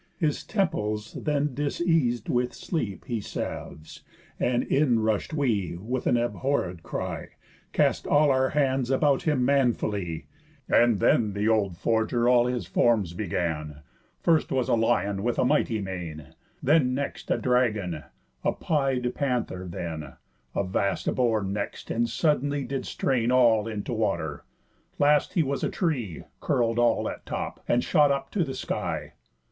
His temples then dis eas'd with sleep he salves; And in rush'd we, with an abhorréd cry, Cast all our hands about him manfully; And then th' old Forger all his forms began: First was a lion with a mighty mane, Then next a dragon, a pied panther then, A vast boar next, and suddenly did strain All into water. Last he was a tree, Curl'd all at top, and shot up to the sky.